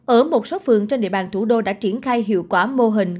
ở một số phường trên địa bàn thủ đô đã triển khai hiệu quả mô hình